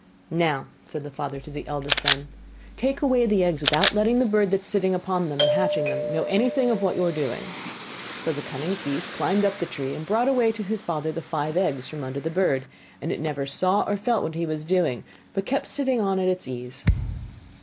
'Now,' said the father to the eldest son, 'take away the eggs without letting the bird that is sitting upon them and hatching them know anything of what you are doing.' So the cunning thief climbed up the tree, and brought away to his father the five eggs from under the bird; and it never saw or felt what he was doing, but kept sitting on at its ease.